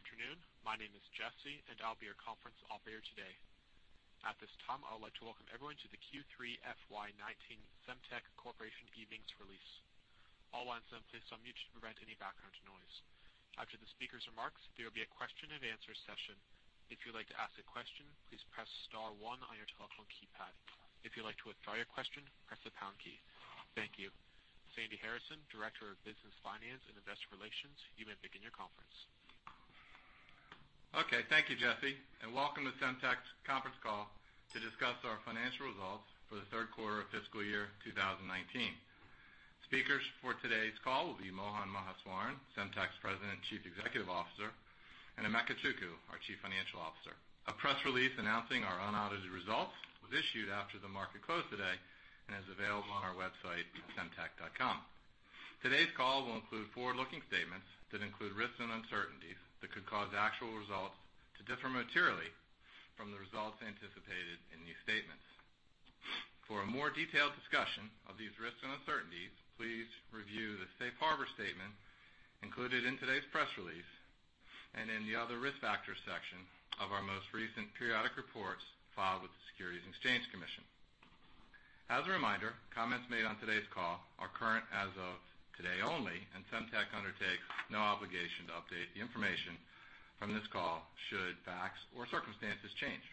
Good afternoon. My name is Jesse, and I will be your conference operator today. At this time, I would like to welcome everyone to the Q3 FY 2019 Semtech Corporation earnings release. All lines are placed on mute to prevent any background noise. After the speaker's remarks, there will be a question-and-answer session. If you would like to ask a question, please press star one on your telephone keypad. If you would like to withdraw your question, press the down key. Thank you. Sandy Harrison, Director of Business Finance and Investor Relations, you may begin your conference. Okay. Thank you, Jesse, and welcome to Semtech's conference call to discuss our financial results for the third quarter of fiscal year 2019. Speakers for today's call will be Mohan Maheswaran, Semtech's President, Chief Executive Officer, and Emeka Chukwu, our Chief Financial Officer. A press release announcing our unaudited results was issued after the market close today and is available on our website, semtech.com. Today's call will include forward-looking statements that include risks and uncertainties that could cause actual results to differ materially from the results anticipated in these statements. For a more detailed discussion of these risks and uncertainties, please review the safe harbor statement included in today's press release and in the Other Risk Factors section of our most recent periodic reports filed with the Securities and Exchange Commission. As a reminder, comments made on today's call are current as of today only. Semtech undertakes no obligation to update the information from this call should facts or circumstances change.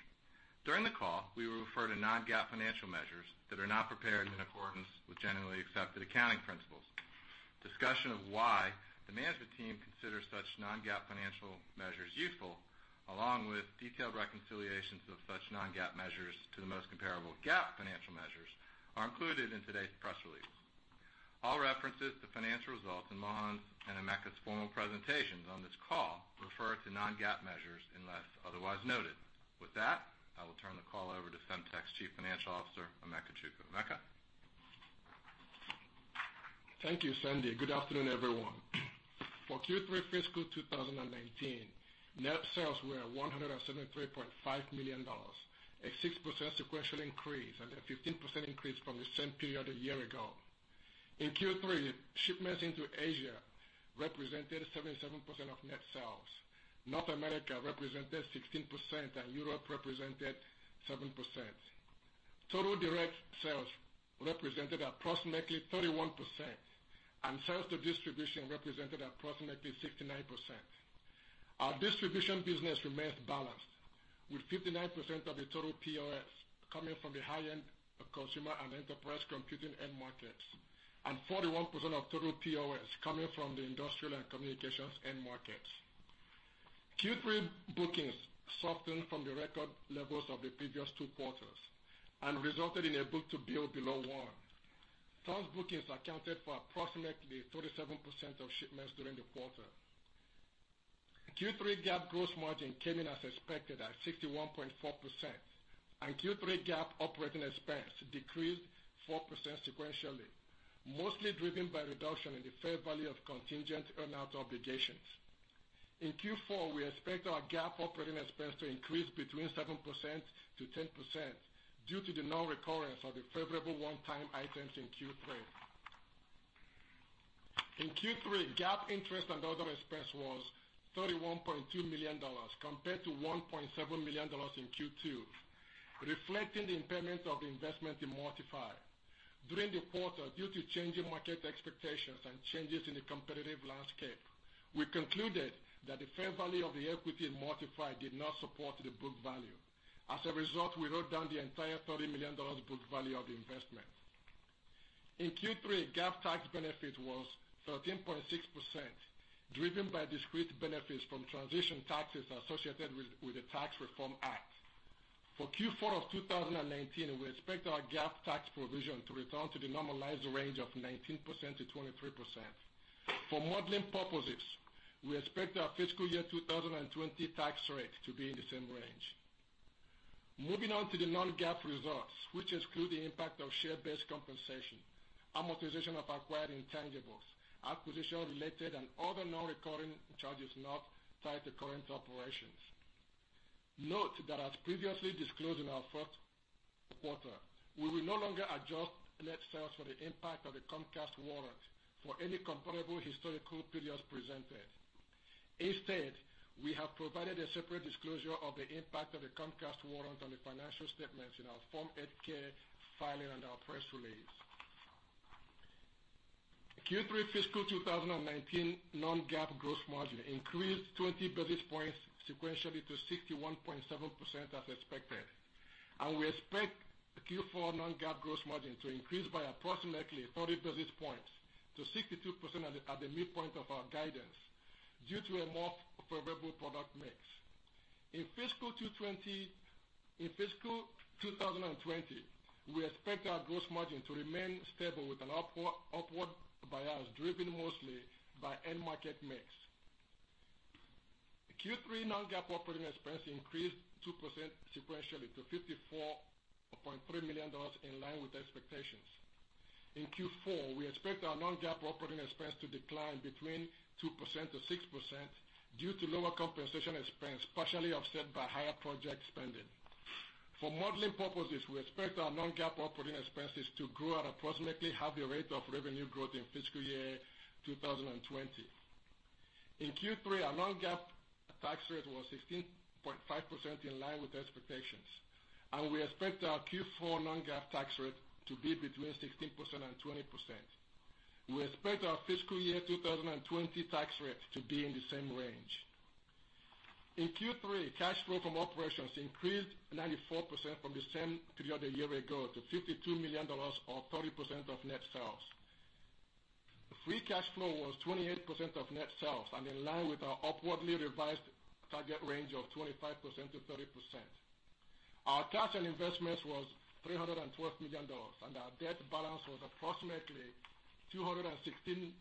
During the call, we will refer to non-GAAP financial measures that are not prepared in accordance with generally accepted accounting principles. Discussion of why the management team consider such non-GAAP financial measures useful, along with detailed reconciliations of such non-GAAP measures to the most comparable GAAP financial measures, are included in today's press release. All references to financial results in Mohan's and Emeka's formal presentations on this call refer to non-GAAP measures unless otherwise noted. With that, I will turn the call over to Semtech's Chief Financial Officer, Emeka Chukwu. Emeka. Thank you, Sandy. Good afternoon, everyone. For Q3 FY 2019, net sales were $173.5 million, a 6% sequential increase and a 15% increase from the same period a year ago. In Q3, shipments into Asia represented 77% of net sales. North America represented 16%, and Europe represented 7%. Total direct sales represented approximately 31%, and sales to distribution represented approximately 69%. Our distribution business remains balanced, with 59% of the total POS coming from the high-end consumer and enterprise computing end markets, and 41% of total POS coming from the industrial and communications end markets. Q3 bookings softened from the record levels of the previous two quarters and resulted in a book-to-bill below one. Firm bookings accounted for approximately 37% of shipments during the quarter. Q3 GAAP gross margin came in as expected at 61.4%. Q3 GAAP operating expense decreased 4% sequentially, mostly driven by reduction in the fair value of contingent earn-out obligations. In Q4, we expect our GAAP operating expense to increase between 7%-10% due to the non-recurrence of the favorable one-time items in Q3. In Q3, GAAP interest and other expense was $31.2 million compared to $1.7 million in Q2, reflecting the impairment of the investment in MultiPhy. During the quarter, due to changing market expectations and changes in the competitive landscape, we concluded that the fair value of the equity in MultiPhy did not support the book value. As a result, we wrote down the entire $30 million book value of the investment. In Q3, GAAP tax benefit was 13.6%, driven by discrete benefits from transition taxes associated with the Tax Reform Act. For Q4 of 2019, we expect our GAAP tax provision to return to the normalized range of 19%-23%. For modeling purposes, we expect our fiscal year 2020 tax rate to be in the same range. Moving on to the non-GAAP results, which exclude the impact of share-based compensation, amortization of acquired intangibles, acquisition-related and other non-recurring charges not tied to current operations. Note that as previously disclosed in our first quarter, we will no longer adjust net sales for the impact of the Comcast warrant for any comparable historical periods presented. Instead, we have provided a separate disclosure of the impact of the Comcast warrant on the financial statements in our Form 8-K filing and our press release. Q3 fiscal 2019 non-GAAP gross margin increased 20 basis points sequentially to 61.7% as expected. We expect Q4 non-GAAP gross margin to increase by approximately 30 basis points to 62% at the midpoint of our guidance due to a more favorable product mix. In fiscal 2020, we expect our gross margin to remain stable with an upward bias driven mostly by end-market mix. Q3 non-GAAP operating expense increased 2% sequentially to $54.3 million, in line with expectations. In Q4, we expect our non-GAAP operating expense to decline between 2%-6% due to lower compensation expense, partially offset by higher project spending. For modeling purposes, we expect our non-GAAP operating expenses to grow at approximately half the rate of revenue growth in fiscal year 2020. In Q3, our non-GAAP tax rate was 16.5%, in line with expectations. We expect our Q4 non-GAAP tax rate to be between 16% and 20%. We expect our fiscal year 2020 tax rate to be in the same range. In Q3, cash flow from operations increased 94% from the same period a year ago to $52 million or 30% of net sales. Free cash flow was 28% of net sales and in line with our upwardly revised target range of 25%-30%. Our cash and investments was $312 million, and our debt balance was approximately $216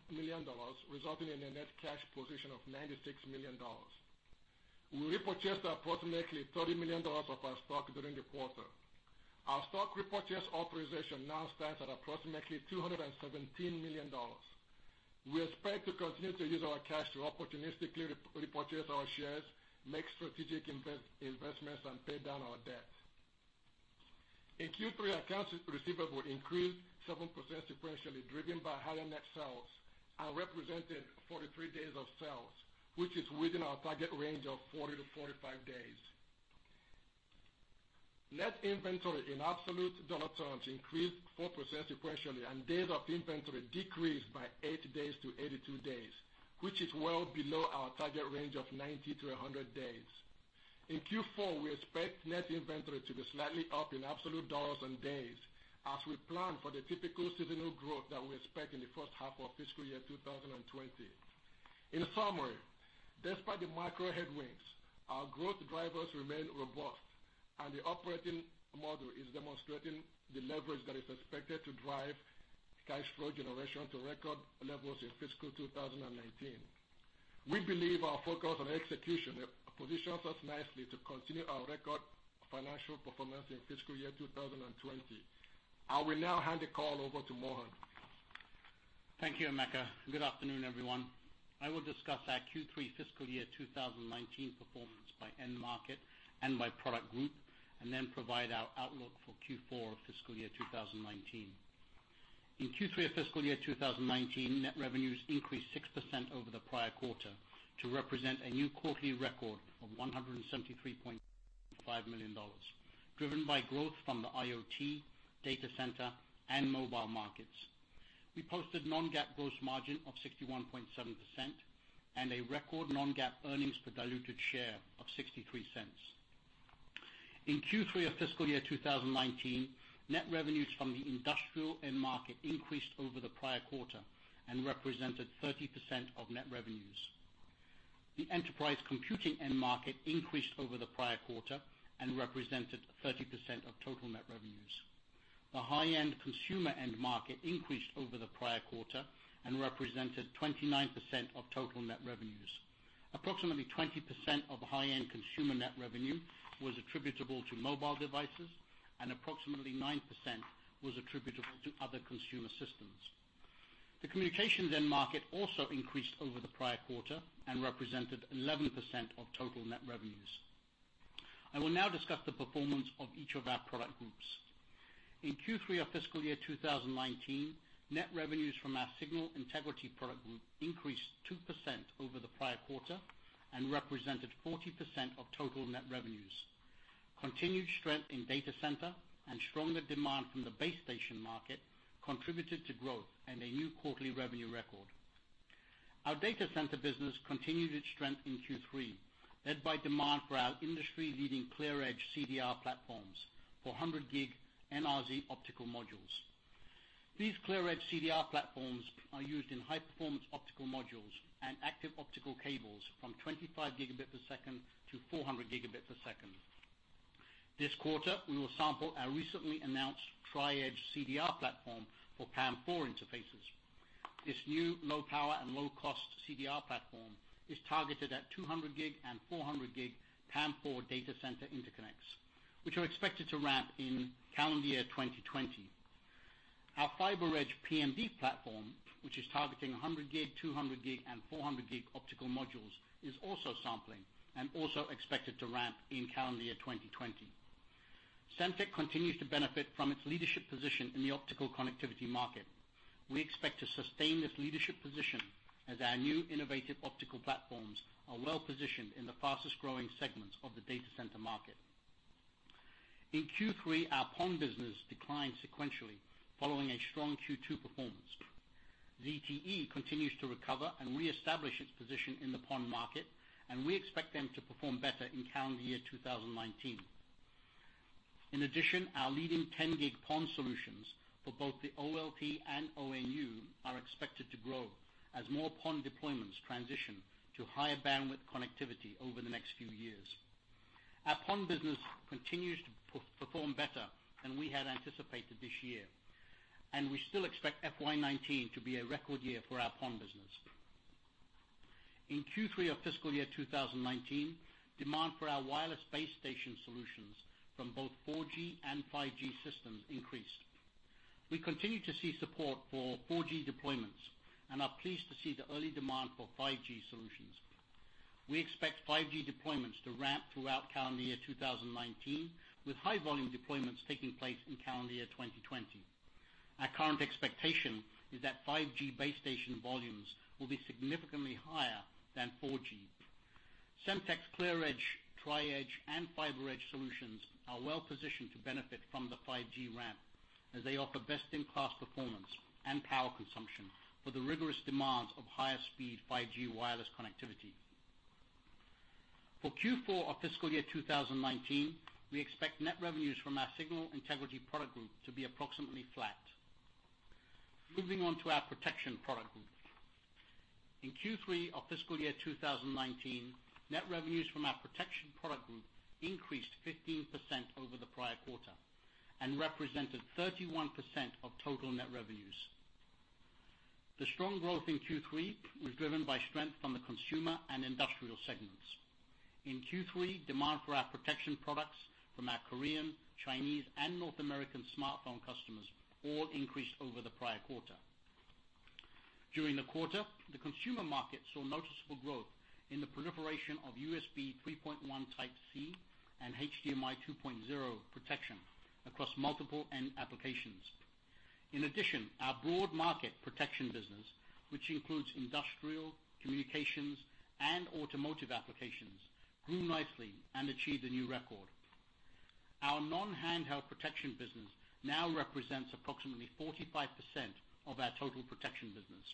million, resulting in a net cash position of $96 million. We repurchased approximately $30 million of our stock during the quarter. Our stock repurchase authorization now stands at approximately $217 million. We expect to continue to use our cash to opportunistically repurchase our shares, make strategic investments, and pay down our debt. In Q3, our accounts receivable increased 7% sequentially, driven by higher net sales and represented 43 days of sales, which is within our target range of 40-45 days. Net inventory in absolute dollar terms increased 4% sequentially, and days of inventory decreased by eight days to 82 days, which is well below our target range of 90-100 days. In Q4, we expect net inventory to be slightly up in absolute dollars and days as we plan for the typical seasonal growth that we expect in the first half of fiscal year 2020. In summary, despite the macro headwinds, our growth drivers remain robust, the operating model is demonstrating the leverage that is expected to drive cash flow generation to record levels in fiscal 2019. We believe our focus on execution positions us nicely to continue our record financial performance in fiscal year 2020. I will now hand the call over to Mohan. Thank you, Emeka. Good afternoon, everyone. I will discuss our Q3 fiscal year 2019 performance by end market and by product group, then provide our outlook for Q4 of fiscal year 2019. In Q3 of fiscal year 2019, net revenues increased 6% over the prior quarter to represent a new quarterly record of $173.5 million, driven by growth from the IoT, data center, and mobile markets. We posted non-GAAP gross margin of 61.7% and a record non-GAAP earnings per diluted share of $0.63. In Q3 of fiscal year 2019, net revenues from the industrial end market increased over the prior quarter and represented 30% of net revenues. The enterprise computing end market increased over the prior quarter and represented 30% of total net revenues. The high-end consumer end market increased over the prior quarter and represented 29% of total net revenues. Approximately 20% of high-end consumer net revenue was attributable to mobile devices and approximately 9% was attributable to other consumer systems. The communications end market also increased over the prior quarter and represented 11% of total net revenues. I will now discuss the performance of each of our product groups. In Q3 of fiscal year 2019, net revenues from our signal integrity product group increased 2% over the prior quarter and represented 40% of total net revenues. Continued strength in data center and stronger demand from the base station market contributed to growth and a new quarterly revenue record. Our data center business continued its strength in Q3, led by demand for our industry-leading ClearEdge CDR platforms for 100G NRZ optical modules. These ClearEdge CDR platforms are used in high-performance optical modules and active optical cables from 25 Gb per second-400 Gb per second. This quarter, we will sample our recently announced Tri-Edge CDR platform for PAM4 interfaces. This new low power and low cost CDR platform is targeted at 200G and 400G PAM4 data center interconnects, which are expected to ramp in calendar year 2020. Our FiberEdge PMD platform, which is targeting 100G, 200G, and 400G optical modules, is also sampling and also expected to ramp in calendar year 2020. Semtech continues to benefit from its leadership position in the optical connectivity market. We expect to sustain this leadership position as our new innovative optical platforms are well positioned in the fastest-growing segments of the data center market. In Q3, our PON business declined sequentially following a strong Q2 performance. ZTE continues to recover and reestablish its position in the PON market, we expect them to perform better in calendar year 2019. In addition, our leading 10G PON solutions for both the OLT and ONU are expected to grow as more PON deployments transition to higher bandwidth connectivity over the next few years. Our PON business continues to perform better than we had anticipated this year, and we still expect FY 2019 to be a record year for our PON business. In Q3 of fiscal year 2019, demand for our wireless base station solutions from both 4G and 5G systems increased. We continue to see support for 4G deployments and are pleased to see the early demand for 5G solutions. We expect 5G deployments to ramp throughout calendar year 2019, with high volume deployments taking place in calendar year 2020. Our current expectation is that 5G base station volumes will be significantly higher than 4G. Semtech's ClearEdge, Tri-Edge, and FiberEdge solutions are well-positioned to benefit from the 5G ramp, as they offer best-in-class performance and power consumption for the rigorous demands of higher speed 5G wireless connectivity. For Q4 of fiscal year 2019, we expect net revenues from our signal integrity product group to be approximately flat. Moving on to our protection product group. In Q3 of fiscal year 2019, net revenues from our protection product group increased 15% over the prior quarter and represented 31% of total net revenues. The strong growth in Q3 was driven by strength from the consumer and industrial segments. In Q3, demand for our protection products from our Korean, Chinese, and North American smartphone customers all increased over the prior quarter. During the quarter, the consumer market saw noticeable growth in the proliferation of USB 3.1 Type-C and HDMI 2.0 protection across multiple end applications. In addition, our broad market protection business, which includes industrial, communications, and automotive applications, grew nicely and achieved a new record. Our non-handheld protection business now represents approximately 45% of our total protection business.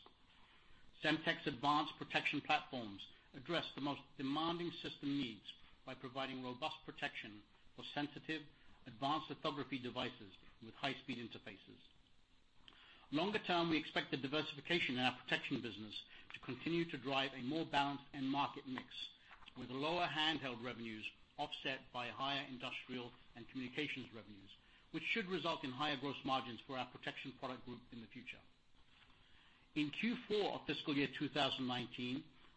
Semtech's advanced protection platforms address the most demanding system needs by providing robust protection for sensitive, advanced photography devices with high speed interfaces. Longer term, we expect the diversification in our protection business to continue to drive a more balanced end market mix, with lower handheld revenues offset by higher industrial and communications revenues, which should result in higher gross margins for our protection product group in the future. In Q4 of fiscal year 2019,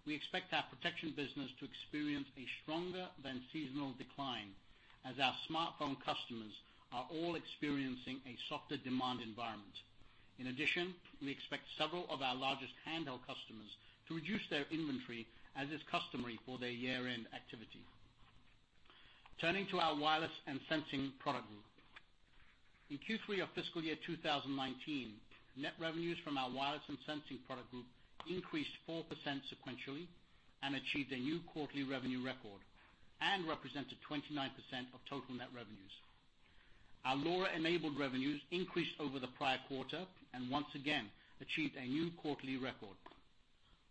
we expect our protection business to experience a stronger than seasonal decline as our smartphone customers are all experiencing a softer demand environment. In addition, we expect several of our largest handheld customers to reduce their inventory, as is customary for their year-end activity. Turning to our wireless and sensing product group. In Q3 of fiscal year 2019, net revenues from our wireless and sensing product group increased 4% sequentially and achieved a new quarterly revenue record, and represented 29% of total net revenues. Our LoRa-enabled revenues increased over the prior quarter, and once again, achieved a new quarterly record.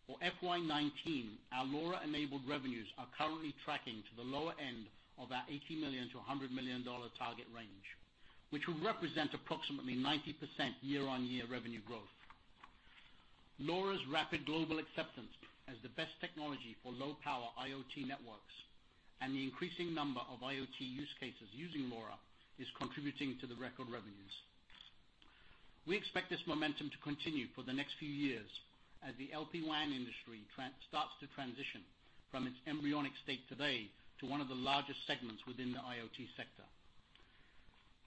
For FY 2019, our LoRa-enabled revenues are currently tracking to the lower end of our $80 million-$100 million target range, which will represent approximately 90% year-on-year revenue growth. LoRa's rapid global acceptance as the best technology for low-power IoT networks, and the increasing number of IoT use cases using LoRa, is contributing to the record revenues. We expect this momentum to continue for the next few years as the LPWAN industry starts to transition from its embryonic state today to one of the largest segments within the IoT sector.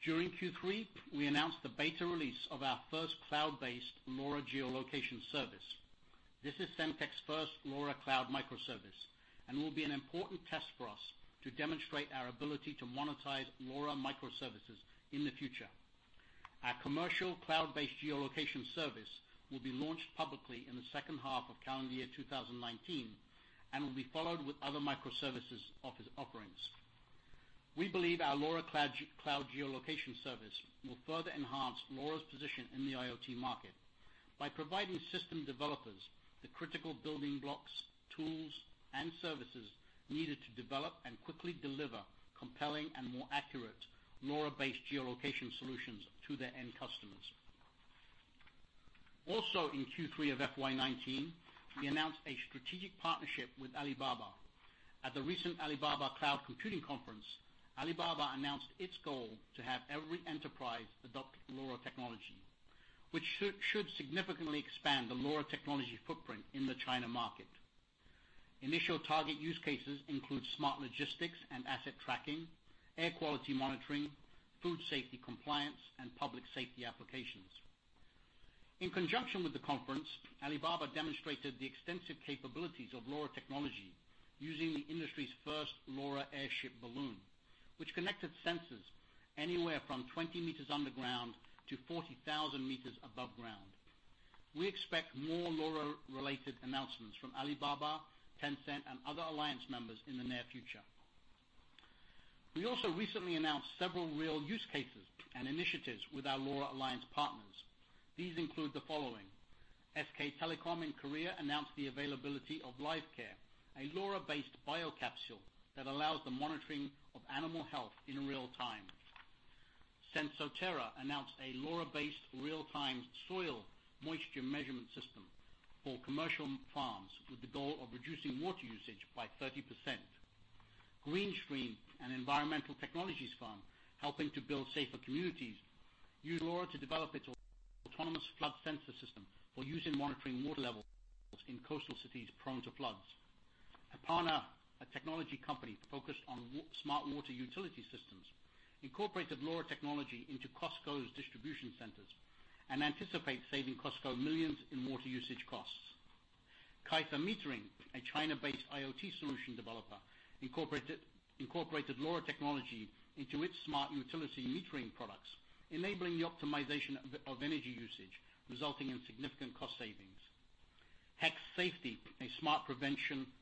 During Q3, we announced the beta release of our first cloud-based LoRa geolocation service. This is Semtech's first LoRa cloud microservice, and will be an important test for us to demonstrate our ability to monetize LoRa microservices in the future. Our commercial cloud-based geolocation service will be launched publicly in the second half of calendar year 2019, and will be followed with other microservices offerings. We believe our LoRa cloud geolocation service will further enhance LoRa's position in the IoT market by providing system developers the critical building blocks, tools, and services needed to develop and quickly deliver compelling and more accurate LoRa-based geolocation solutions to their end customers. In Q3 of FY 2019, we announced a strategic partnership with Alibaba. At the recent Alibaba Cloud Computing Conference, Alibaba announced its goal to have every enterprise adopt LoRa technology, which should significantly expand the LoRa technology footprint in the China market. Initial target use cases include smart logistics and asset tracking, air quality monitoring, food safety compliance, and public safety applications. In conjunction with the conference, Alibaba demonstrated the extensive capabilities of LoRa technology using the industry's first LoRa airship balloon, which connected sensors anywhere from 20 meters on the ground to 40,000 meters above ground. We expect more LoRa-related announcements from Alibaba, Tencent, and other LoRa Alliance members in the near future. We also recently announced several real use cases and initiatives with our LoRa Alliance partners. These include the following. SK Telecom in Korea announced the availability of LiveCare, a LoRa-based bio capsule that allows the monitoring of animal health in real time. Sensoterra announced a LoRa-based real-time soil moisture measurement system for commercial farms, with the goal of reducing water usage by 30%. Green Stream Technologies, an environmental technologies firm helping to build safer communities, used LoRa to develop its autonomous flood sensor system for use in monitoring water levels in coastal cities prone to floods. Apana, a technology company focused on smart water utility systems, incorporated LoRa technology into Costco's distribution centers, and anticipates saving Costco millions in water usage costs. Kaifa Metering, a China-based IoT solution developer, incorporated LoRa technology into its smart utility metering products, enabling the optimization of energy usage, resulting in significant cost savings. HEX SAFETY, a smart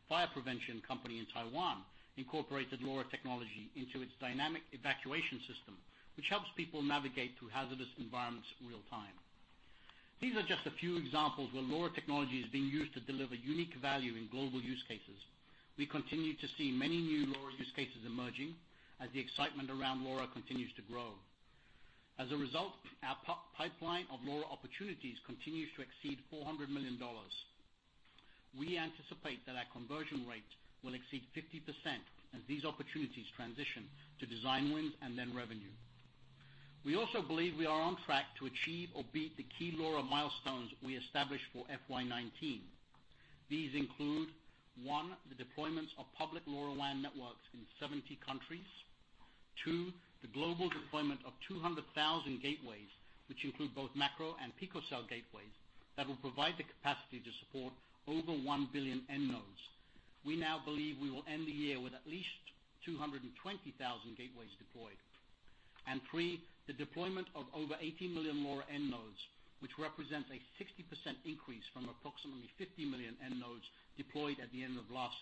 fire prevention company in Taiwan, incorporated LoRa technology into its dynamic evacuation system, which helps people navigate through hazardous environments in real time. These are just a few examples where LoRa technology is being used to deliver unique value in global use cases. We continue to see many new LoRa use cases emerging as the excitement around LoRa continues to grow. As a result, our pipeline of LoRa opportunities continues to exceed $400 million. We anticipate that our conversion rate will exceed 50% as these opportunities transition to design wins and then revenue. We also believe we are on track to achieve or beat the key LoRa milestones we established for FY 2019. These include, one, the deployments of public LoRaWAN networks in 70 countries. Two, the global deployment of 200,000 gateways, which include both macro and picocell gateways that will provide the capacity to support over 1 billion end nodes. We now believe we will end the year with at least 220,000 gateways deployed. Three, the deployment of over 80 million LoRa end nodes, which represents a 60% increase from approximately 50 million end nodes deployed at the end of the last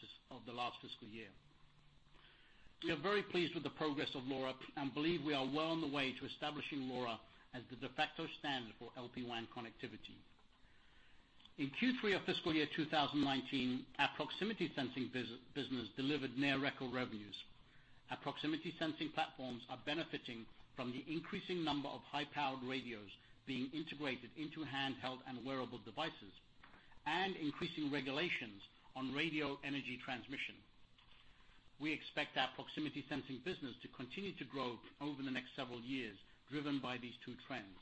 fiscal year. We are very pleased with the progress of LoRa and believe we are well on the way to establishing LoRa as the de facto standard for LPWAN connectivity. In Q3 of fiscal year 2019, our proximity sensing business delivered near record revenues. Our proximity sensing platforms are benefiting from the increasing number of high-powered radios being integrated into handheld and wearable devices, and increasing regulations on radio energy transmission. We expect our proximity sensing business to continue to grow over the next several years, driven by these two trends.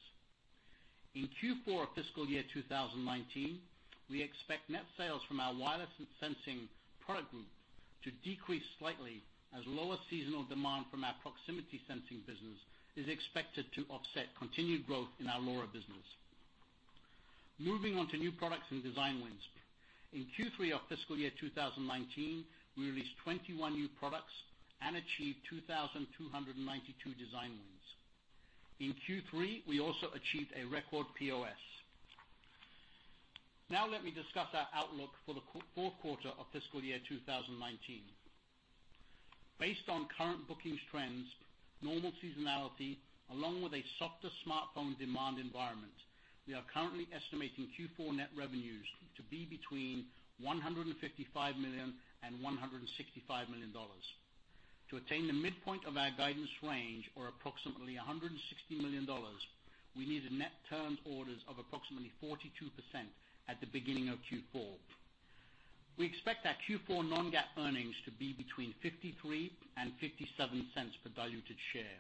In Q4 fiscal year 2019, we expect net sales from our wireless sensing product group to decrease slightly as lower seasonal demand from our proximity sensing business is expected to offset continued growth in our LoRa business. Moving on to new products and design wins. In Q3 of fiscal year 2019, we released 21 new products and achieved 2,292 design wins. In Q3, we also achieved a record POS. Let me discuss our outlook for the fourth quarter of fiscal year 2019. Based on current bookings trends, normal seasonality, along with a softer smartphone demand environment, we are currently estimating Q4 net revenues to be between $155 million and $165 million. To attain the midpoint of our guidance range, or approximately $160 million, we need net turned orders of approximately 42% at the beginning of Q4. We expect our Q4 non-GAAP earnings to be between $0.53 and $0.57 per diluted share.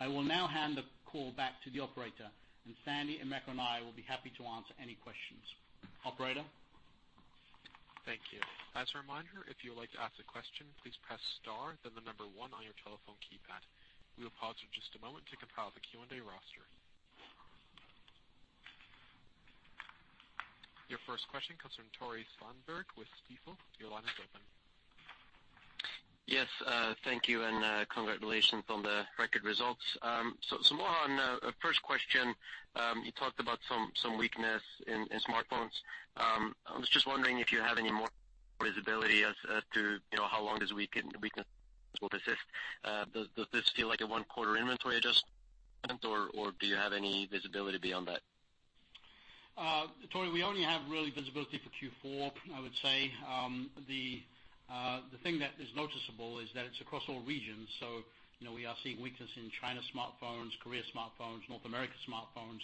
I will now hand the call back to the operator, and Sandy, Emeka, and I will be happy to answer any questions. Operator? Thank you. As a reminder, if you would like to ask a question, please press star, then the number one on your telephone keypad. We will pause for just a moment to compile the Q&A roster. Your first question comes from Tore Svanberg with Stifel. Your line is open. Yes, thank you, and congratulations on the record results. Mohan, first question, you talked about some weakness in smartphones. I was just wondering if you have any more visibility as to how long this weakness will persist. Does this feel like a one quarter inventory adjustment, or do you have any visibility beyond that? Tore, we only have really visibility for Q4, I would say. The thing that is noticeable is that it's across all regions. We are seeing weakness in China smartphones, Korea smartphones, North America smartphones.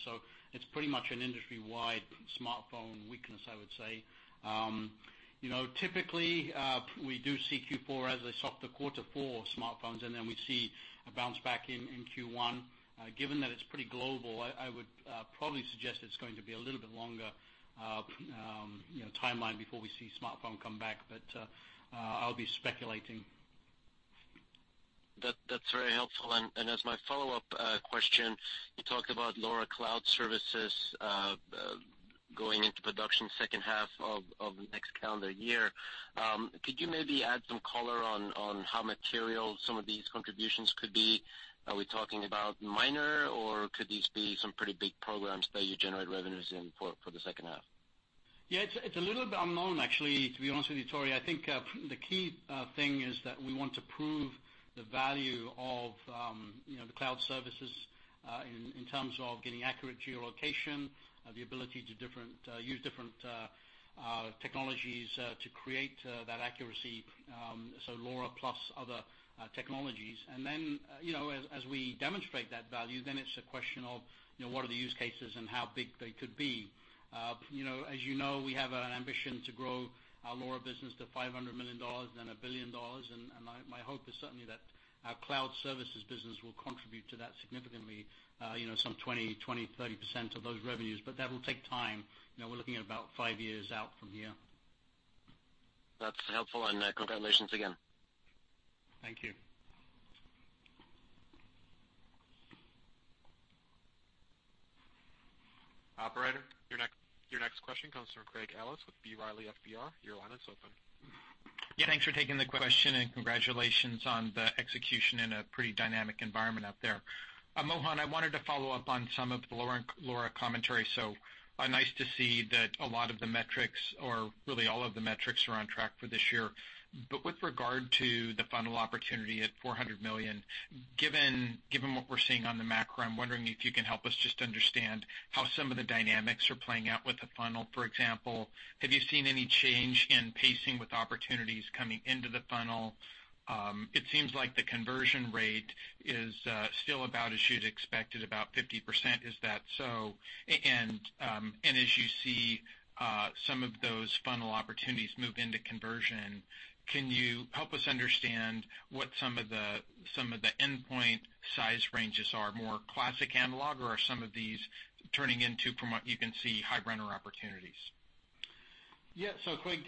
It's pretty much an industry-wide smartphone weakness, I would say. Typically, we do see Q4 as a softer quarter for smartphones, then we see a bounce back in Q1. Given that it's pretty global, I would probably suggest it's going to be a little bit longer timeline before we see smartphone come back. I'll be speculating. That's very helpful. As my follow-up question, you talked about LoRa cloud services going into production second half of the next calendar year. Could you maybe add some color on how material some of these contributions could be? Are we talking about minor or could these be some pretty big programs that you generate revenues in for the second half? Yeah, it's a little bit unknown, actually, to be honest with you, Tore. I think the key thing is that we want to prove the value of the cloud services, in terms of getting accurate geolocation, the ability to use different technologies to create that accuracy. LoRa plus other technologies. As we demonstrate that value, it's a question of what are the use cases and how big they could be. As you know, we have an ambition to grow our LoRa business to $500 million, then $1 billion. My hope is certainly that our cloud services business will contribute to that significantly, some 20%, 30% of those revenues. That will take time. We're looking at about five years out from here. That's helpful and congratulations again. Thank you. Operator, your next question comes from Craig Ellis with B. Riley FBR. Your line is open. Yeah, thanks for taking the question and congratulations on the execution in a pretty dynamic environment out there. Mohan, I wanted to follow up on some of the LoRa commentary. Nice to see that a lot of the metrics, or really all of the metrics, are on track for this year. With regard to the funnel opportunity at $400 million, given what we're seeing on the macro, I'm wondering if you can help us just understand how some of the dynamics are playing out with the funnel. For example, have you seen any change in pacing with opportunities coming into the funnel? It seems like the conversion rate is still about as you'd expected, about 50%, is that so? As you see some of those funnel opportunities move into conversion, can you help us understand what some of the endpoint size ranges are? More classic analog, or are some of these turning into, from what you can see, high runner opportunities? Yeah. Craig,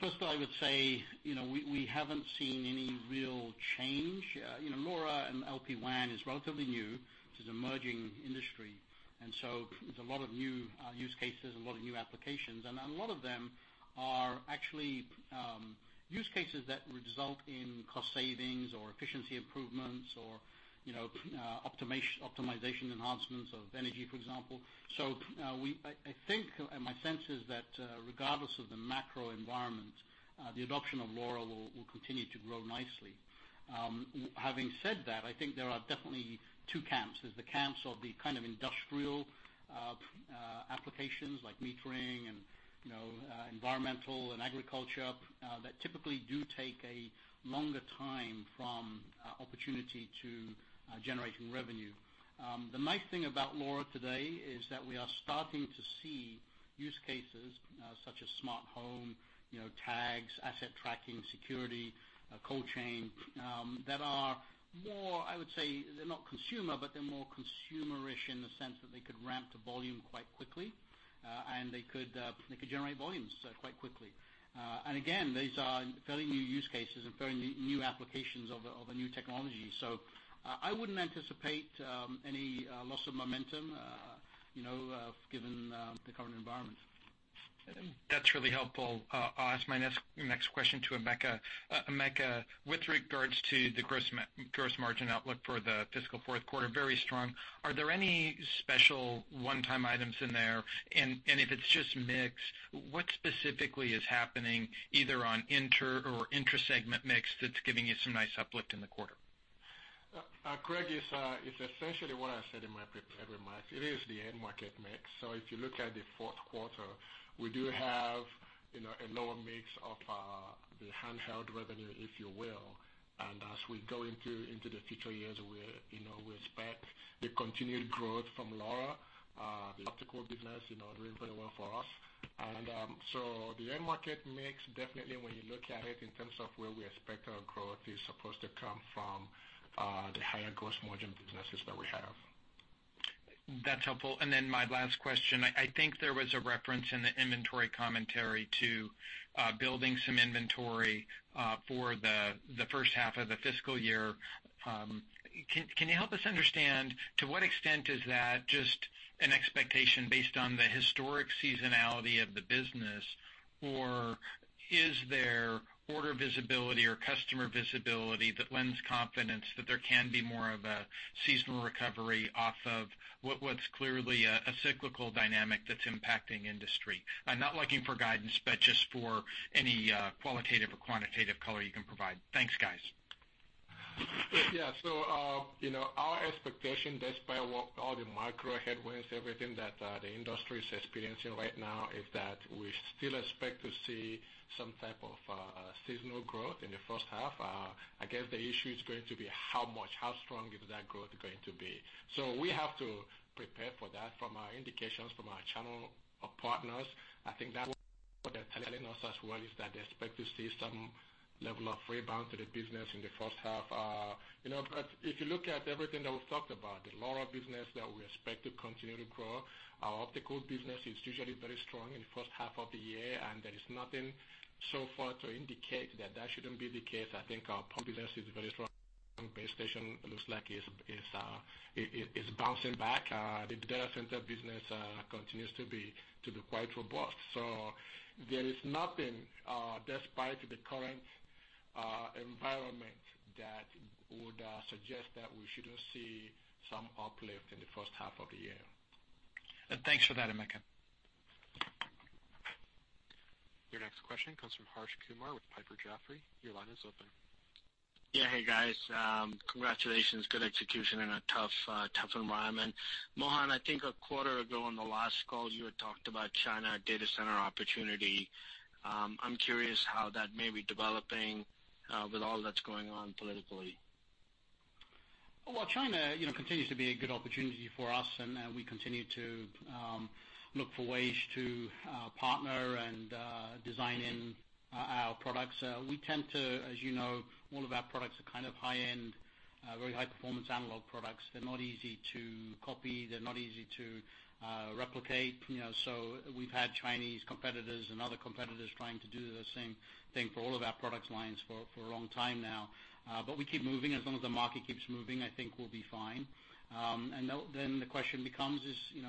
first of all, I would say we haven't seen any real change. LoRa and LPWAN is relatively new. This is an emerging industry, there's a lot of new use cases, a lot of new applications. A lot of them are actually use cases that result in cost savings or efficiency improvements or optimization enhancements of energy, for example. I think, and my sense is that, regardless of the macro environment, the adoption of LoRa will continue to grow nicely. Having said that, I think there are definitely two camps. There's the camps of the kind of industrial applications like metering and environmental and agriculture, that typically do take a longer time from opportunity to generating revenue. The nice thing about LoRa today is that we are starting to see use cases such as smart home tags, asset tracking, security, cold chain, that are more, I would say, they're not consumer, but they're more consumerish in the sense that they could ramp to volume quite quickly, and they could generate volumes quite quickly. Again, these are fairly new use cases and fairly new applications of a new technology. I wouldn't anticipate any loss of momentum given the current environment. That's really helpful. I'll ask my next question to Emeka. Emeka, with regards to the gross margin outlook for the fiscal fourth quarter, very strong. If it's just mix, what specifically is happening either on inter or intra segment mix that's giving you some nice uplift in the quarter? Craig, it's essentially what I said in my prepared remarks. It is the end market mix. If you look at the fourth quarter, we do have a lower mix of the handheld revenue, if you will. As we go into the future years, we expect the continued growth from LoRa. The optical business doing very well for us. The end market mix, definitely when you look at it in terms of where we expect our growth is supposed to come from, the higher gross margin businesses that we have. That's helpful. My last question, I think there was a reference in the inventory commentary to building some inventory for the first half of the fiscal year. Can you help us understand to what extent is that just an expectation based on the historic seasonality of the business, or is there order visibility or customer visibility that lends confidence that there can be more of a seasonal recovery off of what's clearly a cyclical dynamic that's impacting industry? I'm not looking for guidance, but just for any qualitative or quantitative color you can provide. Thanks, guys. Yeah. Our expectation despite all the micro headwinds, everything that the industry is experiencing right now, is that we still expect to see some type of seasonal growth in the first half. I guess the issue is going to be how much, how strong is that growth going to be. We have to prepare for that. From our indications from our channel partners, I think that what they're telling us as well is that they expect to see some level of rebound to the business in the first half. If you look at everything that we've talked about, the LoRa business that we expect to continue to grow, our optical business is usually very strong in the first half of the year, and there is nothing so far to indicate that that shouldn't be the case. I think our pump business is very strong. Base station looks like it's bouncing back. The data center business continues to be quite robust. There is nothing, despite the current environment, that would suggest that we shouldn't see some uplift in the first half of the year. Thanks for that, Emeka. Your next question comes from Harsh Kumar with Piper Jaffray. Your line is open. Yeah. Hey, guys. Congratulations. Good execution in a tough environment. Mohan, I think a quarter ago on the last call, you had talked about China data center opportunity. I'm curious how that may be developing with all that's going on politically. Well, China continues to be a good opportunity for us. We continue to look for ways to partner and design in our products. As you know, all of our products are kind of high-end, very high-performance analog products. They're not easy to copy. They're not easy to replicate. We've had Chinese competitors and other competitors trying to do the same thing for all of our product lines for a long time now. We keep moving. As long as the market keeps moving, I think we'll be fine. The question becomes,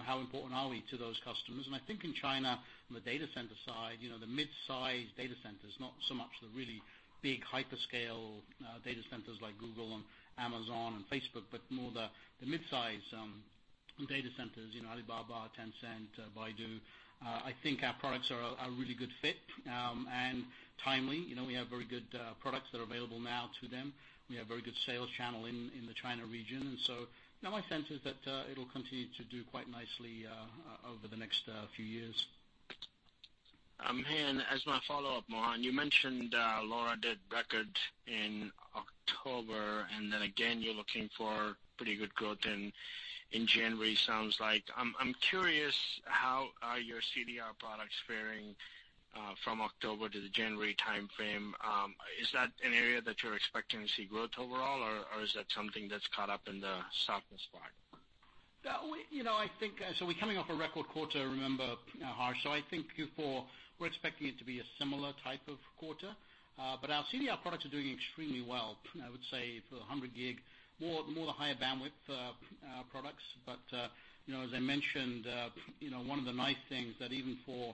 how important are we to those customers? I think in China, from the data center side, the mid-size data centers, not so much the really big hyperscale data centers like Google and Amazon and Facebook, but more the mid-size data centers, Alibaba, Tencent, Baidu, I think our products are a really good fit and timely. We have very good products that are available now to them. We have very good sales channel in the China region. My sense is that it'll continue to do quite nicely over the next few years. As my follow-up, Mohan, you mentioned LoRa did record in October, and then again, you're looking for pretty good growth in January, sounds like. I'm curious, how are your CDR products faring from October to the January timeframe? Is that an area that you're expecting to see growth overall, or is that something that's caught up in the softness part? We're coming off a record quarter, remember, Harsh. I think Q4, we're expecting it to be a similar type of quarter. Our CDR products are doing extremely well, I would say for the 100 gig, more the higher bandwidth products. As I mentioned, one of the nice things that even for,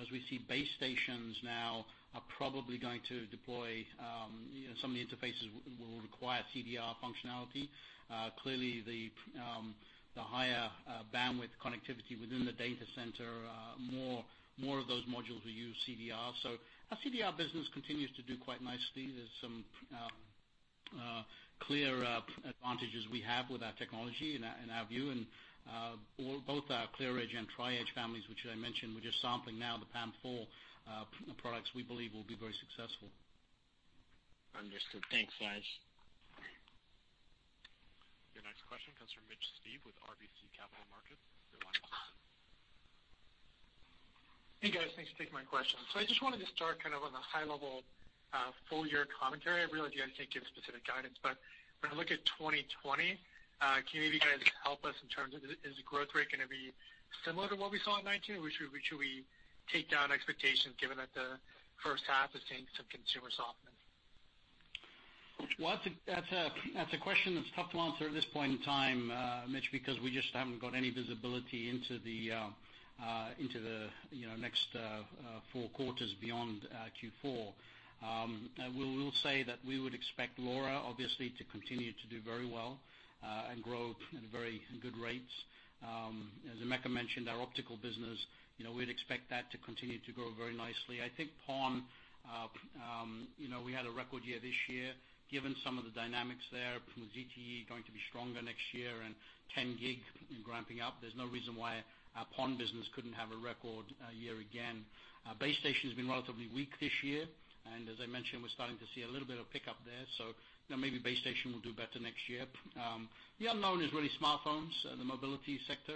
as we see base stations now are probably going to deploy, some of the interfaces will require CDR functionality. Clearly, the higher bandwidth connectivity within the data center, more of those modules will use CDR. Our CDR business continues to do quite nicely. There's some clear advantages we have with our technology and our view, and both our ClearEdge and Tri-Edge families, which I mentioned, we're just sampling now, the PAM4 products we believe will be very successful. Understood. Thanks, guys. Your next question comes from Mitch Steves with RBC Capital Markets. Your line is open. Hey guys. I just wanted to start on a high level full year commentary. I realize you guys can't give specific guidance. When I look at 2020, can you maybe, guys, help us in terms of, is the growth rate going to be similar to what we saw in 2019? Should we take down expectations given that the first half is seeing some consumer softness? Mitch, that's a question that's tough to answer at this point in time, Mitch, because we just haven't got any visibility into the next four quarters beyond Q4. We will say that we would expect LoRa, obviously, to continue to do very well and grow at very good rates. As Emeka mentioned, our optical business, we'd expect that to continue to grow very nicely. I think PON, we had a record year this year. Given some of the dynamics there with ZTE going to be stronger next year and 10 G ramping up, there's no reason why our PON business couldn't have a record year again. Our base station's been relatively weak this year, As I mentioned, we're starting to see a little bit of pickup there, maybe base station will do better next year. The unknown is really smartphones and the mobility sector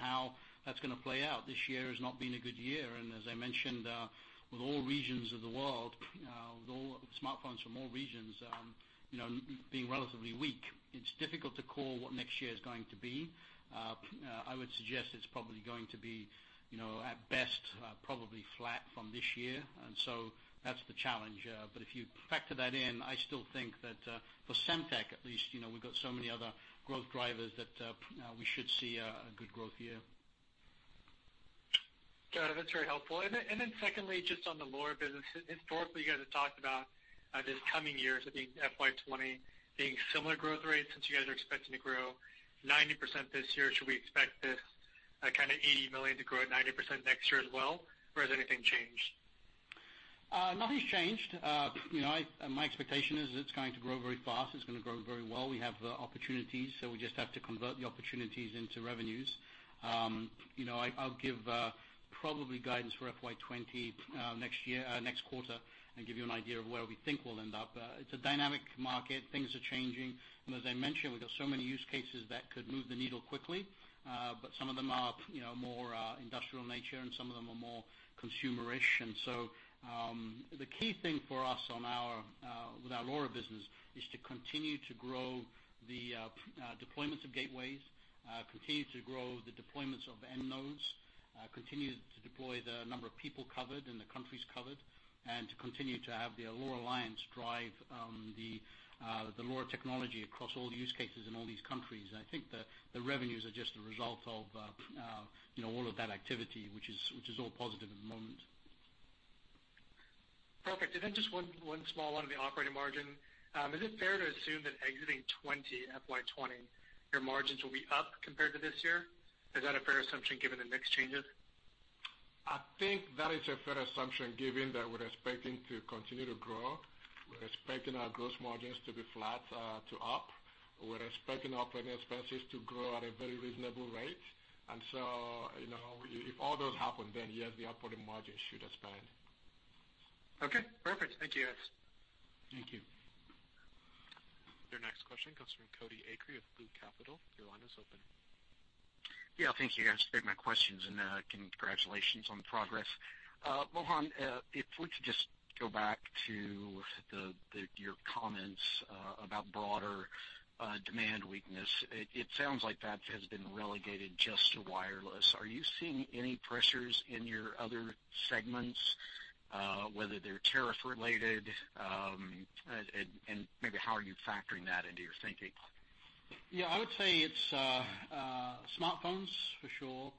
How that's going to play out. This year has not been a good year, As I mentioned, with smartphones from all regions being relatively weak, it's difficult to call what next year is going to be. I would suggest it's probably going to be, at best, probably flat from this year, That's the challenge. If you factor that in, I still think that for Semtech, at least, we've got so many other growth drivers that we should see a good growth year. Got it. That's very helpful. Secondly, just on the LoRa business. Historically, you guys have talked about this coming year, so the FY 2020, being similar growth rates. Since you guys are expecting to grow 90% this year, should we expect this kind of $80 million to grow at 90% next year as well? Has anything changed? Nothing's changed. My expectation is it's going to grow very fast. It's going to grow very well. We have the opportunities, we just have to convert the opportunities into revenues. I'll give probably guidance for FY 2020 next quarter and give you an idea of where we think we'll end up. It's a dynamic market. Things are changing, as I mentioned, we've got so many use cases that could move the needle quickly. Some of them are more industrial nature, some of them are more consumerish. The key thing for us with our LoRa business is to continue to grow the deployments of gateways, continue to grow the deployments of end nodes, continue to deploy the number of people covered and the countries covered, to continue to have the LoRa Alliance drive the LoRa technology across all use cases in all these countries. I think the revenues are just a result of all of that activity, which is all positive at the moment. Perfect. Just one small one on the operating margin. Is it fair to assume that exiting FY 2020, your margins will be up compared to this year? Is that a fair assumption given the mix changes? I think that is a fair assumption given that we're expecting to continue to grow. We're expecting our gross margins to be flat to up. We're expecting operating expenses to grow at a very reasonable rate. So, if all those happen, then yes, the operating margin should expand. Okay, perfect. Thank you, guys. Thank you. Your next question comes from Cody Acree with Loop Capital. Your line is open. Thank you, guys. Great my questions, and congratulations on the progress. Mohan, if we could just go back to your comments about broader demand weakness. It sounds like that has been relegated just to wireless. Are you seeing any pressures in your other segments, whether they're tariff related? Maybe how are you factoring that into your thinking? I would say it's smartphones for sure,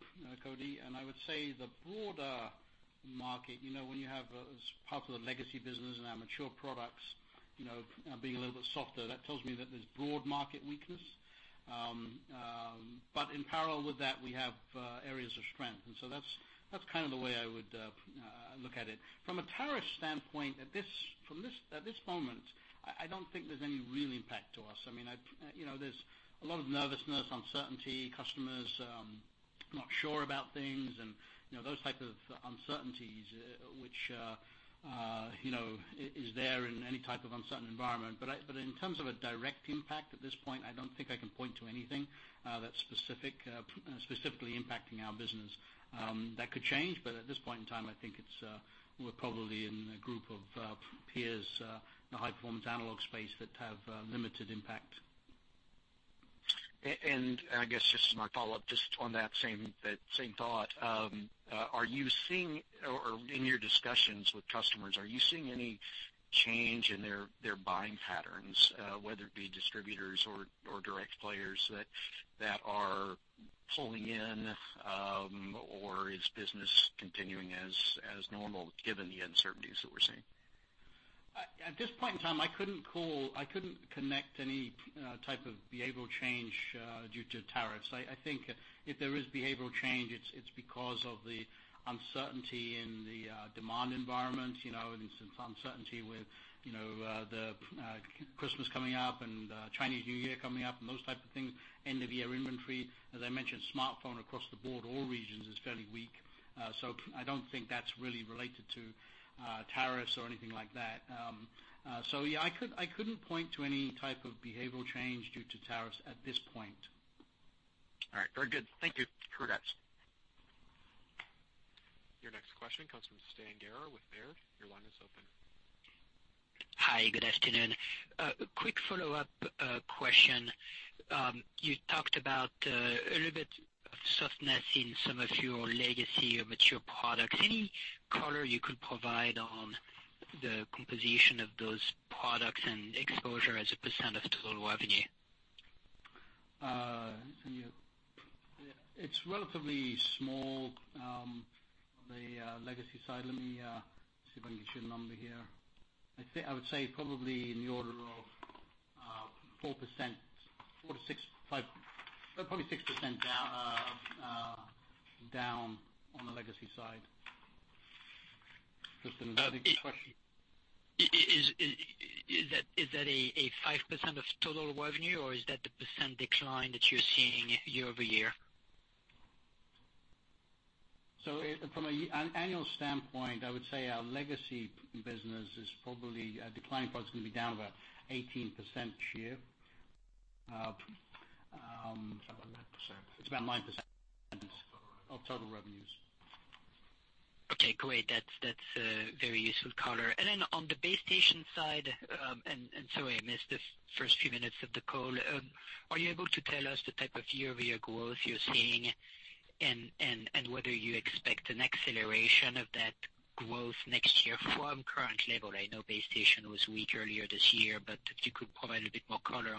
Cody, I would say the broader market, when you have as part of the legacy business and our mature products being a little bit softer, that tells me that there's broad market weakness. In parallel with that, we have areas of strength. So that's the way I would look at it. From a tariff standpoint, at this moment, I don't think there's any real impact to us. There's a lot of nervousness, uncertainty, customers not sure about things, and those type of uncertainties, which is there in any type of uncertain environment. In terms of a direct impact, at this point, I don't think I can point to anything that's specifically impacting our business. That could change, at this point in time, I think we're probably in a group of peers in the high-performance analog space that have limited impact. I guess just my follow-up just on that same thought. In your discussions with customers, are you seeing any change in their buying patterns, whether it be distributors or direct players that are pulling in? Is business continuing as normal given the uncertainties that we're seeing? At this point in time, I couldn't connect any type of behavioral change due to tariffs. I think if there is behavioral change, it's because of the uncertainty in the demand environment, and some uncertainty with Christmas coming up, and Chinese New Year coming up, and those type of things, end-of-year inventory. As I mentioned, smartphone across the board, all regions is fairly weak. I don't think that's really related to tariffs or anything like that. Yeah, I couldn't point to any type of behavioral change due to tariffs at this point. All right, very good. Thank you. Great. Your next question comes from Tristan Gerra with Baird. Your line is open. Hi, good afternoon. A quick follow-up question. You talked about a little bit of softness in some of your legacy or mature products. Any color you could provide on the composition of those products and exposure as a percent of total revenue? It's relatively small on the legacy side. Let me see if I can get you a number here. I would say probably in the order of 4%, 4%-6%, 5%, no, probably 6% down on the legacy side. Tristan, did that answer your question? Is that a 5% of total revenue or is that the percent decline that you're seeing year-over-year? From an annual standpoint, I would say our legacy business is probably declining. Probably it's going to be down about 18% this year. It's about 9% of total revenues. Okay, great. That's a very useful color. On the base station side, and sorry, I missed the first few minutes of the call. Are you able to tell us the type of year-over-year growth you're seeing and whether you expect an acceleration of that growth next year from current level? I know base station was weak earlier this year, if you could provide a bit more color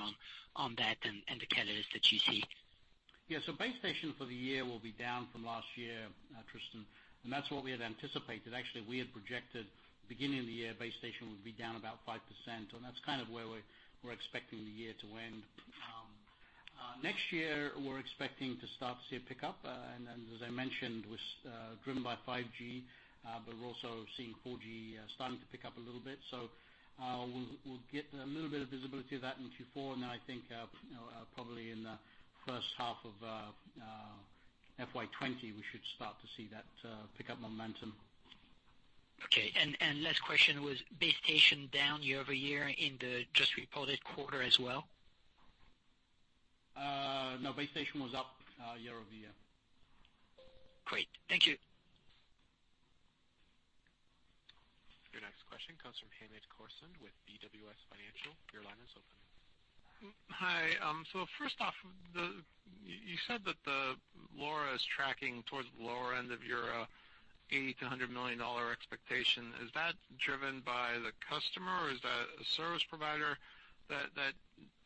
on that and the catalyst that you see. Base station for the year will be down from last year, Tristan. That's what we had anticipated. Actually, we had projected beginning of the year, base station would be down about 5%. That's kind of where we're expecting the year to end. Next year, we're expecting to start to see a pickup. As I mentioned, was driven by 5G, we're also seeing 4G starting to pick up a little bit. We'll get a little bit of visibility of that in Q4. I think probably in the first half of FY 2020, we should start to see that pick up momentum. Okay. Last question, was base station down year-over-year in the just reported quarter as well? No, base station was up year-over-year. Great. Thank you. Your next question comes from Hamed Khorsand with BWS Financial. Your line is open. Hi. First off, you said that LoRa is tracking towards the lower end of your $80 million-$100 million expectation. Is that driven by the customer, or is that a service provider that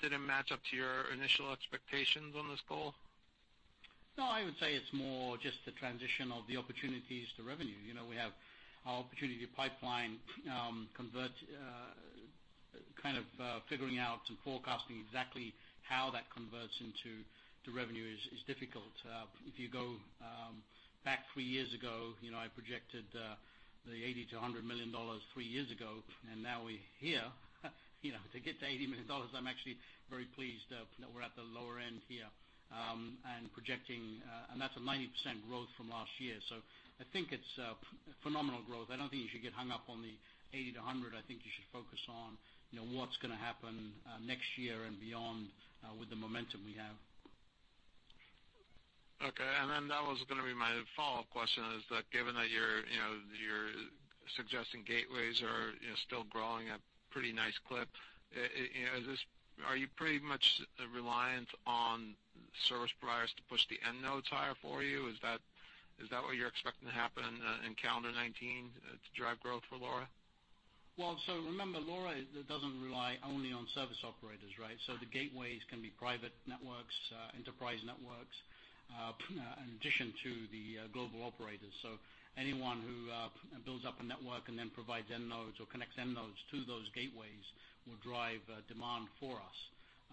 didn't match up to your initial expectations on this goal? No, I would say it's more just the transition of the opportunities to revenue. We have our opportunity pipeline convert, kind of figuring out and forecasting exactly how that converts into revenue is difficult. If you go back three years ago, I projected the $80 million-$100 million three years ago, and now we're here. To get to $80 million, I'm actually very pleased that we're at the lower end here, and that's a 90% growth from last year. I think it's phenomenal growth. I don't think you should get hung up on the $80 million-$100 million. I think you should focus on what's going to happen next year and beyond with the momentum we have. Okay. That was going to be my follow-up question, is that given that you're suggesting gateways are still growing at pretty nice clip, are you pretty much reliant on service providers to push the end nodes higher for you? Is that what you're expecting to happen in calendar 2019 to drive growth for LoRa? Remember, LoRa doesn't rely only on service operators, right? The gateways can be private networks, enterprise networks, in addition to the global operators. Anyone who builds up a network and then provides end nodes or connects end nodes to those gateways will drive demand for us.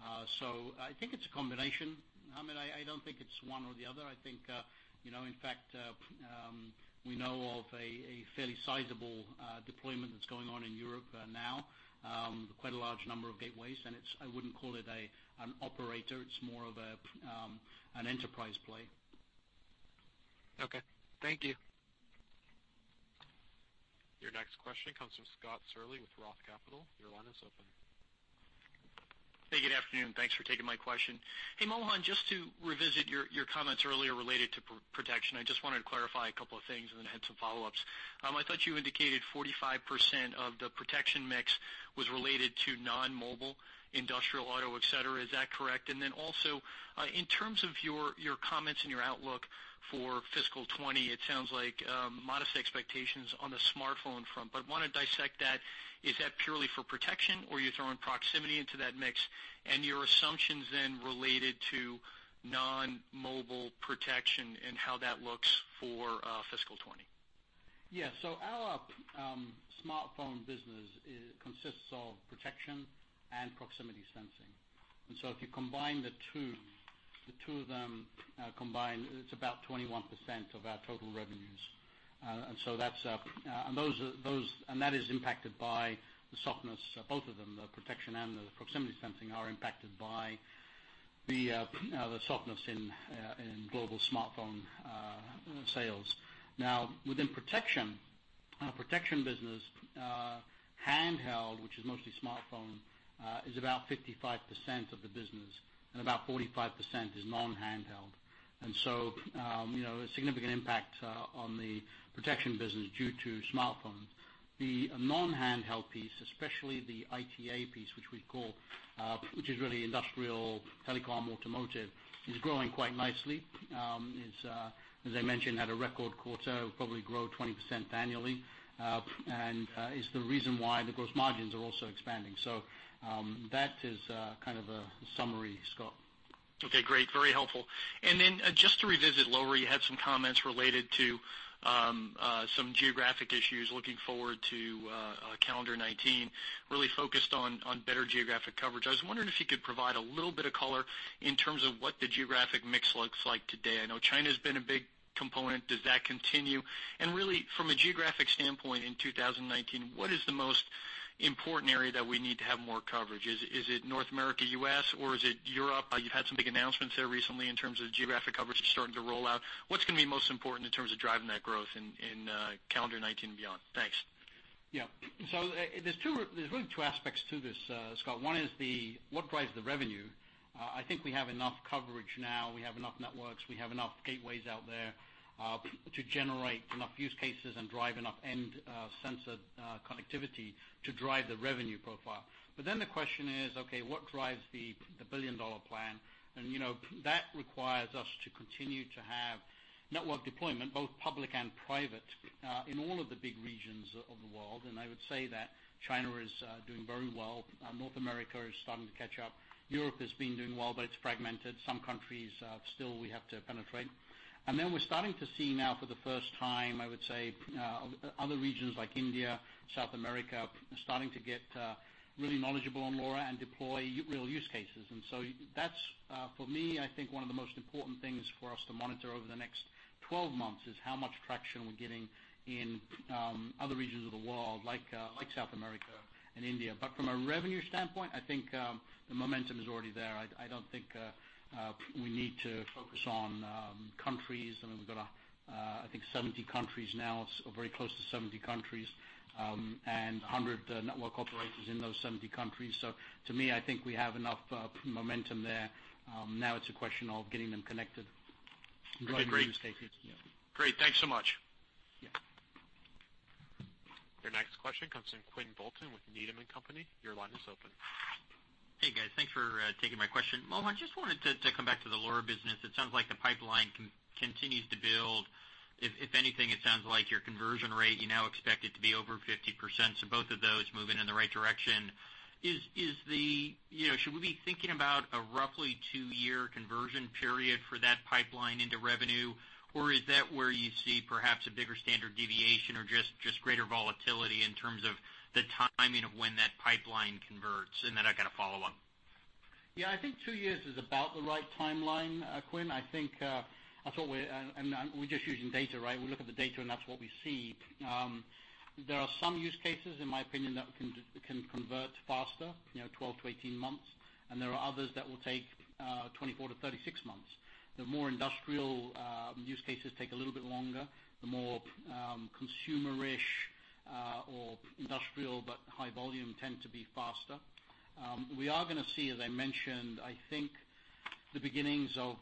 I think it's a combination, Hamed. I don't think it's one or the other. I think, in fact, we know of a fairly sizable deployment that's going on in Europe now, quite a large number of gateways, and I wouldn't call it an operator. It's more of an enterprise play. Okay. Thank you. Your next question comes from Scott Searle with ROTH Capital. Your line is open. Hey, good afternoon. Thanks for taking my question. Hey, Mohan, just to revisit your comments earlier related to protection, I just wanted to clarify a couple of things and then had some follow-ups. I thought you indicated 45% of the protection mix was related to non-mobile, industrial, auto, et cetera. Is that correct? Also, in terms of your comments and your outlook for fiscal 2020, it sounds like modest expectations on the smartphone front, want to dissect that. Is that purely for protection or are you throwing proximity into that mix? Your assumptions then related to non-mobile protection and how that looks for fiscal 2020. Our smartphone business consists of protection and proximity sensing. If you combine the two of them, it's about 21% of our total revenues. That is impacted by the softness, both of them, the protection and the proximity sensing are impacted by the softness in global smartphone sales. Within protection business, handheld, which is mostly smartphone, is about 55% of the business, and about 45% is non-handheld. A significant impact on the protection business due to smartphones. The non-handheld piece, especially the ITA piece, which we call, which is really industrial telecom automotive, is growing quite nicely. As I mentioned, had a record quarter of probably grow 20% annually, and is the reason why the gross margins are also expanding. That is kind of a summary, Scott. Okay, great. Very helpful. Just to revisit LoRa, you had some comments related to some geographic issues looking forward to calendar 2019, really focused on better geographic coverage. I was wondering if you could provide a little bit of color in terms of what the geographic mix looks like today. I know China's been a big component. Does that continue? Really from a geographic standpoint in 2019, what is the most important area that we need to have more coverage? Is it North America, U.S., or is it Europe? You've had some big announcements there recently in terms of geographic coverage starting to roll out. What's going to be most important in terms of driving that growth in calendar 2019 and beyond? Thanks. There is really two aspects to this, Scott. One is what drives the revenue? I think we have enough coverage now. We have enough networks. We have enough gateways out there to generate enough use cases and drive enough end sensor connectivity to drive the revenue profile. The question is, okay, what drives the billion-dollar plan? That requires us to continue to have network deployment, both public and private, in all of the big regions of the world. I would say that China is doing very well. North America is starting to catch up. Europe has been doing well, but it is fragmented. Some countries still we have to penetrate. We are starting to see now for the first time, I would say, other regions like India, South America, starting to get really knowledgeable on LoRa and deploy real use cases. That is, for me, I think one of the most important things for us to monitor over the next 12 months is how much traction we are getting in other regions of the world, like South America and India. From a revenue standpoint, I think the momentum is already there. I do not think we need to focus on countries. We have got I think 70 countries now, very close to 70 countries, and 100 network operators in those 70 countries. To me, I think we have enough momentum there. Now it is a question of getting them connected. Okay, great. Driving use cases. Great. Thanks so much. Yeah. Your next question comes from Quinn Bolton with Needham & Company. Your line is open. Hey, guys. Thanks for taking my question. Mohan, just wanted to come back to the LoRa business. It sounds like the pipeline continues to build. If anything, it sounds like your conversion rate, you now expect it to be over 50%. Both of those moving in the right direction. Should we be thinking about a roughly two-year conversion period for that pipeline into revenue? Or is that where you see perhaps a bigger standard deviation or just greater volatility in terms of the timing of when that pipeline converts? I got a follow-up. Yeah, I think two years is about the right timeline, Quinn. We're just using data. We look at the data, and that's what we see. There are some use cases, in my opinion, that can convert faster, 12-18 months, and there are others that will take 24-36 months. The more industrial use cases take a little bit longer. The more consumerish or industrial, but high volume, tend to be faster. We are going to see, as I mentioned, I think, the beginnings of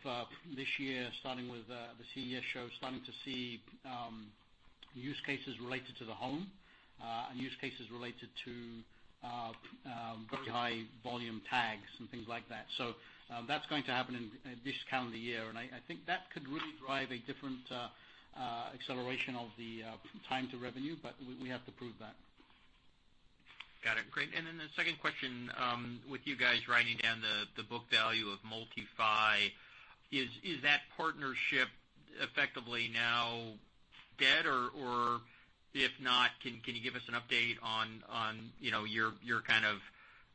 this year, starting with the CES show, starting to see use cases related to the home and use cases related to very high volume tags and things like that. That's going to happen in this calendar year, and I think that could really drive a different acceleration of the time to revenue. We have to prove that. Got it. Great. The second question, with you guys writing down the book value of MultiPhy, is that partnership effectively now dead? If not, can you give us an update on your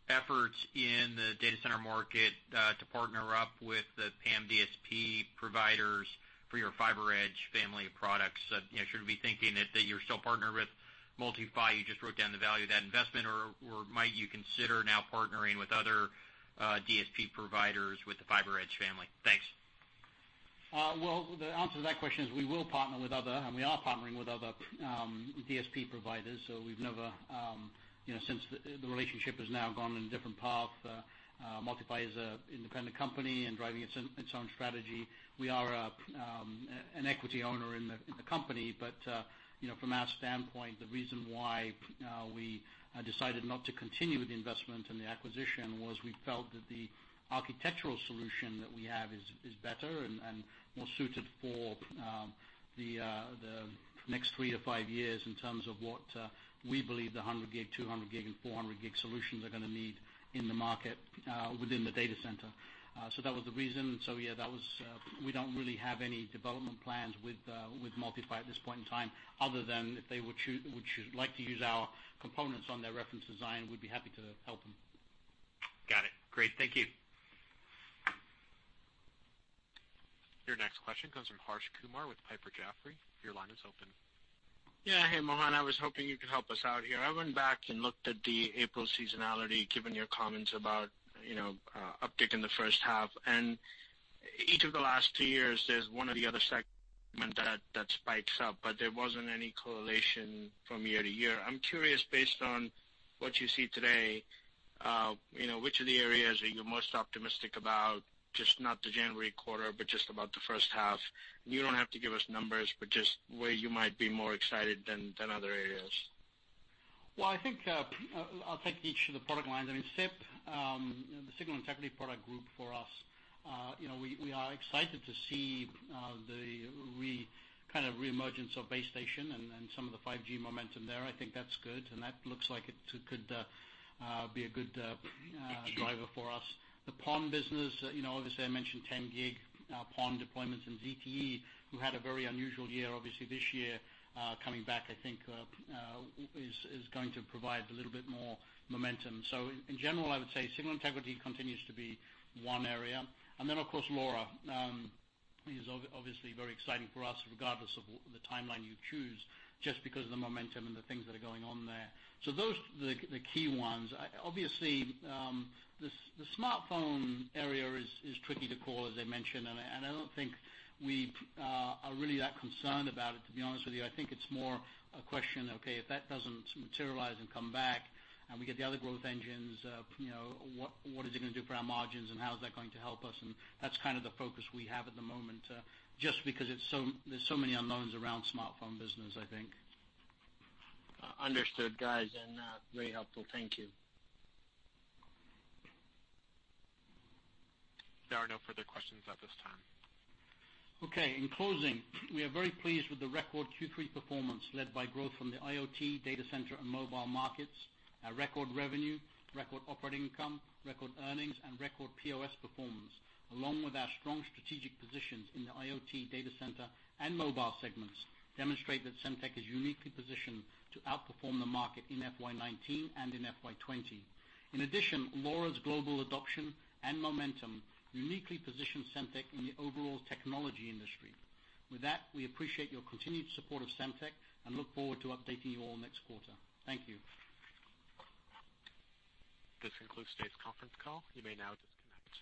efforts in the data center market to partner up with the PAM/DSP providers for your FiberEdge family of products? Should we be thinking that you're still partnered with MultiPhy, you just wrote down the value of that investment, or might you consider now partnering with other DSP providers with the FiberEdge family? Thanks. The answer to that question is we will partner with other, and we are partnering with other DSP providers. Since the relationship has now gone in a different path, MultiPhy is an independent company and driving its own strategy. We are an equity owner in the company. From our standpoint, the reason why we decided not to continue with the investment and the acquisition was we felt that the architectural solution that we have is better and more suited for the next 3-5 years in terms of what we believe the 100G, 200G, and 400G solutions are going to need in the market within the data center. That was the reason. We don't really have any development plans with MultiPhy at this point in time, other than if they would like to use our components on their reference design, we'd be happy to help them. Got it. Great. Thank you. Your next question comes from Harsh Kumar with Piper Jaffray. Your line is open. Yeah. Hey, Mohan. I was hoping you could help us out here. I went back and looked at the April seasonality, given your comments about uptick in the first half. Each of the last two years, there's one or the other segment that spikes up, but there wasn't any correlation from year to year. I'm curious, based on what you see today, which of the areas are you most optimistic about, just not the January quarter, but just about the first half? You don't have to give us numbers, but just where you might be more excited than other areas. Well, I'll take each of the product lines. In SIP, the Signal Integrity product group for us, we are excited to see the re-emergence of base station and some of the 5G momentum there. I think that's good, and that looks like it could be a good driver for us. The PON business, obviously, I mentioned 10G PON deployments in ZTE, who had a very unusual year. Obviously, this year, coming back, I think, is going to provide a little bit more momentum. In general, I would say signal integrity continues to be one area. Then, of course, LoRa is obviously very exciting for us, regardless of the timeline you choose, just because of the momentum and the things that are going on there. Those are the key ones. Obviously, the smartphone area is tricky to call, as I mentioned, and I don't think we are really that concerned about it, to be honest with you. I think it's more a question of, okay, if that doesn't materialize and come back, and we get the other growth engines, what is it going to do for our margins, and how is that going to help us? That's kind of the focus we have at the moment, just because there's so many unknowns around smartphone business, I think. Understood, guys, and very helpful. Thank you. There are no further questions at this time. Okay. In closing, we are very pleased with the record Q3 performance led by growth from the IoT, data center, and mobile markets. Our record revenue, record operating income, record earnings, and record POS performance, along with our strong strategic positions in the IoT, data center, and mobile segments, demonstrate that Semtech is uniquely positioned to outperform the market in FY 2019 and in FY 2020. In addition, LoRa's global adoption and momentum uniquely positions Semtech in the overall technology industry. With that, we appreciate your continued support of Semtech and look forward to updating you all next quarter. Thank you. This concludes today's conference call. You may now disconnect.